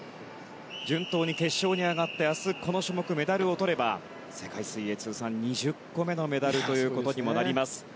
順当に決勝に上がって明日、この種目でメダルをとれば、世界水泳通算２０個目のメダルとなります。